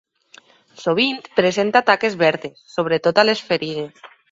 Sovint presenta taques verdes, sobretot a les ferides.